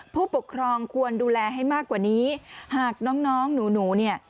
ผู้ปกครองควรดูแลให้มากกว่านี้หากน้องน้องหนูเนี่ย